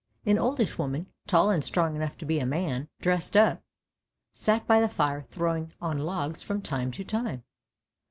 An oldish woman, tall and strong enough to be a man dressed up, sat by the fire throwing on logs from time to time.